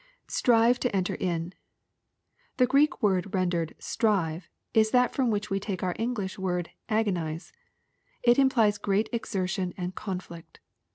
[Strive to enter in,'] The Q reek word rendered " strive," is that fi om which we take our English word " agonize." It implies great exertion and conflict.